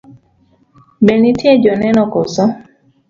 Be nitie joneno koso?